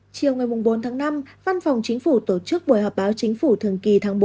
chiều ngày bốn tháng năm văn phòng chính phủ tổ chức buổi họp báo chính phủ thường kỳ tháng bốn